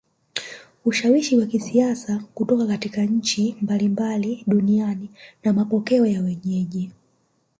Ushawishi wa kisiasa kutoka nchi mbalimbali duniani na mapokeo ya wenyeji